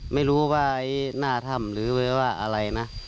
ไม่รู้ว่าน่าถ้ำหรือว่าอะไรนะ